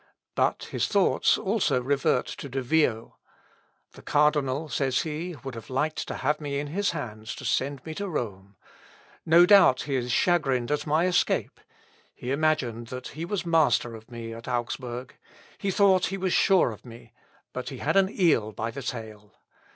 But his thoughts also revert to De Vio. "The cardinal," says he, "would have liked to have me in his hands to send me to Rome. No doubt he is chagrined at my escape. He imagined that he was master of me at Augsburg he thought he was sure of me; but he had an eel by the tail.